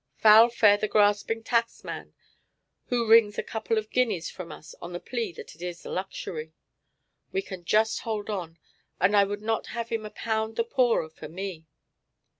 Foul fare the grasping taxman who wrings a couple of guineas from us on the plea that it is a luxury! We can just hold on, and I would not have him a pound the poorer for me.